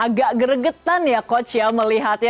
agak geregetan ya coach ya melihatnya